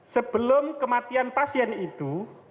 sebelum kematian pasien itu